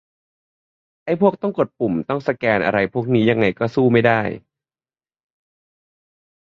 ไอ้พวกต้องกดปุ่ม ต้องสแกน อะไรพวกนี้ยังไงก็สู้ไม่ได้